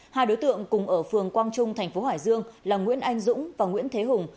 hai đối tượng cùng ở phường quang trung thành phố hải dương là nguyễn anh dũng và nguyễn thế hùng